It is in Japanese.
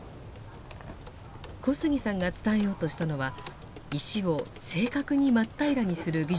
小杉さんが伝えようとしたのは石を正確に真っ平らにする技術でした。